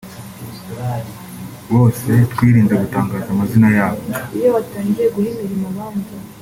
bose twirinze gutangaza amazina yabo